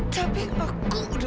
tapi aku udah bunuh dia